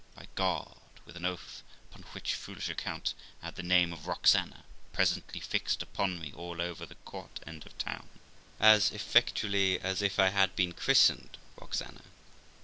by ', with an oath; upon which foolish accident I had the name of Roxana presently fixed upon me all over the court end of town as effectually as if I had been christened Roxana.